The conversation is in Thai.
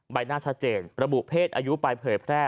ใบหน้าชัดเจนระบุเพศอายุไปเผยแพร่